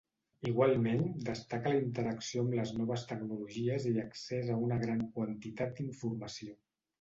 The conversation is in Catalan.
Igualment destaca la interacció amb les noves tecnologies i accés a una gran quantitat d'informació.